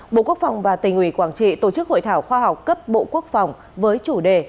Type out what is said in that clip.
bộ quốc phòng và tỉnh ủy quảng trị tổ chức hội thảo khoa học cấp bộ quốc phòng với chủ đề